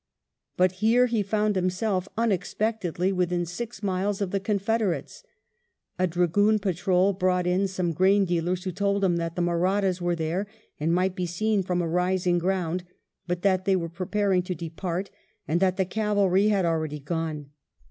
Bnt here he found himself miexpectedly within six miles of the confederates, A dragoon patrol brought in some grain dealers, who told him that the Mahrattas were therey and might be seen from a rising ground, but that they were preparing to depart, and that the cavalry had already gone.